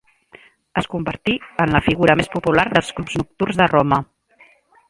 Es convertí en la figura més popular dels clubs nocturns de Roma.